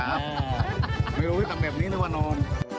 ไม่รู้ว่าจะทำแบบนี้แล้วว่านอน